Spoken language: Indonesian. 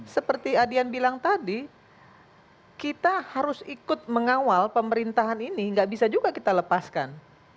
seperti adian bilang tadi kita harus ikut mengawal pemerintahan ini nggak bisa juga kita lepaskan